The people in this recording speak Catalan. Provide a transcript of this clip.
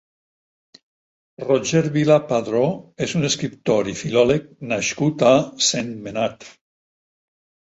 Roger Vilà Padró és un escriptor i filòleg nascut a Sentmenat.